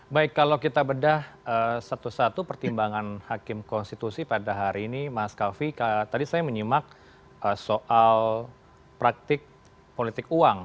baik kalau kita bedah satu satu pertimbangan hakim konstitusi pada hari ini mas kavi tadi saya menyimak soal praktik politik uang